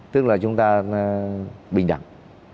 tức là chúng ta bình đẳng